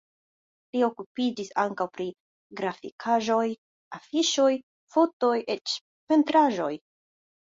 Li okupiĝis ankaŭ pri grafikaĵoj, afiŝoj, fotoj, eĉ pentraĵoj.